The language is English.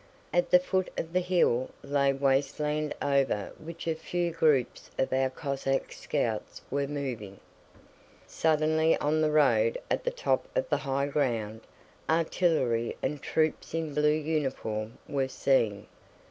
At the foot of the hill lay wasteland over which a few groups of our Cossack scouts were moving. Suddenly on the road at the top of the high ground, artillery and troops in blue uniform were seen.